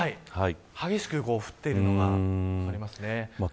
激しく降っているのが分かりますね。